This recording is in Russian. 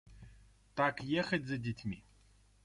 Так ехать за детьми?